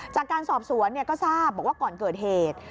จากการสอบสวนก็ทราบบอกว่าก่อนเกิดเหตุ